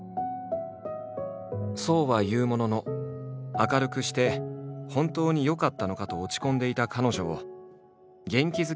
そうは言うものの明るくして本当によかったのかと落ち込んでいた彼女を元気づける一通のメールが来た。